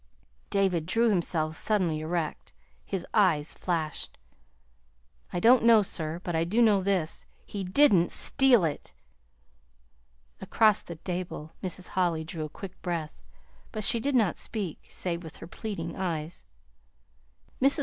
David drew himself suddenly erect. His eyes flashed. "I don't know, sir. But I do know this: he didn't STEAL it!" Across the table Mrs. Holly drew a quick breath, but she did not speak save with her pleading eyes. Mrs.